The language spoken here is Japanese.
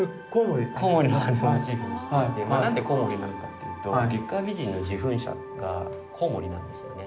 何でコウモリなのかっていうと月下美人の受粉者がコウモリなんですよね。